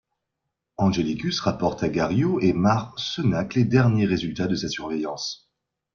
Angelicus rapporte à Gariot et Marcenac les derniers résultats de sa surveillance.